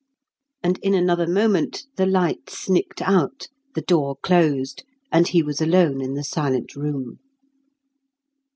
And in another moment the light snicked out, the door closed, and he was alone in the silent room.